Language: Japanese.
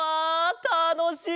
たのしい！